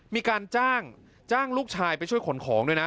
มีการจ้างจ้างลูกชายไปช่วยขนของด้วยนะ